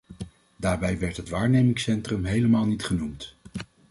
Daarbij werd het waarnemingscentrum helemaal niet genoemd.